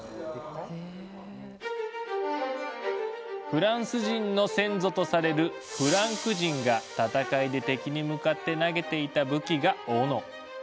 フランス人の先祖とされるフランク人が戦いで敵に向かって投げていた武器が「オノ」。